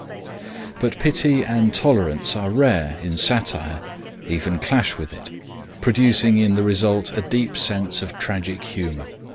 But pity and tolerance are rare in satire, even in clash with it, producing in the result a deep sense of tragic humour.